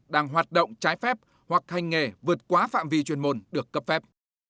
đang hoạt động trái phép hoặc hành nghề vượt quá phạm vi chuyên môn được cấp phép